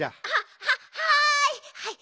ははい！